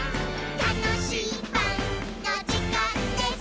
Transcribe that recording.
「たのしいパンのじかんです！」